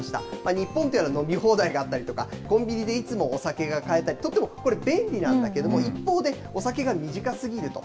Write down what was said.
日本には飲み放題があったりとか、コンビニでいつもお酒が買えたり、とってもこれ、便利なんだけれども、一方で、お酒が身近すぎると。